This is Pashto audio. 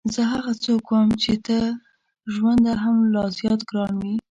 زه هغه څوک وم چې ته تر ژونده هم لا زیات ګران وې.